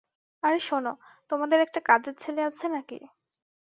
আর শোন, তোমাদের একটা কাজের ছেলে আছে নাকি?